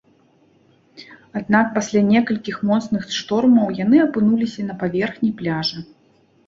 Аднак пасля некалькіх моцных штормаў яны апынуліся на паверхні пляжа.